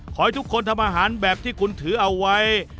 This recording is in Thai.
ขอให้ทุกคนทำอาหารแบบที่คุณถือเอาไว้